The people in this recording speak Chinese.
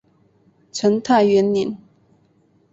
成泰元年。